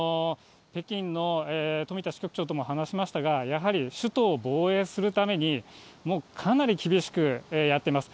北京のとみた支局長とも話しましたが、やはり首都を防衛するために、もう、かなり厳しくやっています。